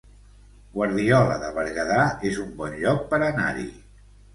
Guardiola de Berguedà es un bon lloc per anar-hi